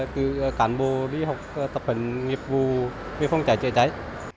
cứ cản bộ đi học tập hành nghiệp vụ về phòng cháy chữa cháy